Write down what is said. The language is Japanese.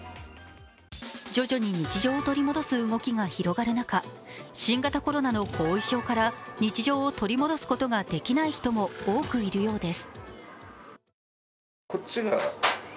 徐々に日常を取り戻す動きが広がる中、新型コロナの後遺症から日常を取り戻すことができない人も多くいるようです。